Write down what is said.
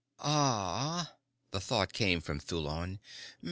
"Ah." The thought came from Thulon.